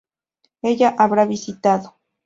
Ella habrá visitado